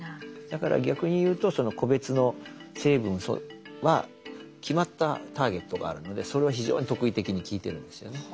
だから逆に言うとその個別の成分は決まったターゲットがあるのでそれは非常に特異的に効いてるんですよね。